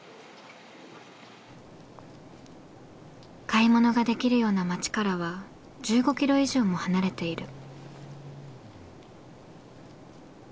買い物ができるような街からは１５キロ以上も離れている。